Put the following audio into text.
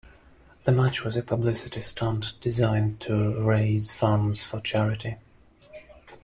The match was a publicity stunt designed to raise funds for charity.